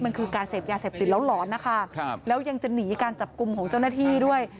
มันคือการเสพยาเสพติดแล้วหลอนนะคะแล้วยังจะหนีการจับกลุ่มของเจ้าหน้าที่ด้วย